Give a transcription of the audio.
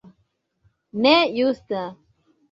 Ne justa!